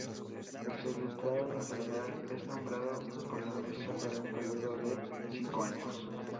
El secretario general es nombrado por la Mesa para un período de cinco años.